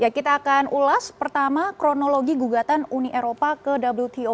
kita akan ulas pertama kronologi gugatan uni eropa ke wto